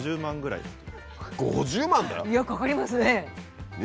いやかかりますね。